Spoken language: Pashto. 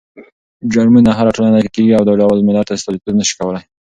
جرمونه هره ټولنه کې کېږي او دا د ټول ملت استازيتوب نه شي کولی.